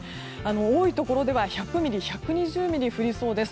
多いところでは１００ミリ１２０ミリ降りそうです。